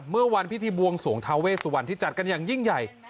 เมื่อวันพิธีบวงสวงทาเวสุวรรณที่จัดกันอย่างยิ่งใหญ่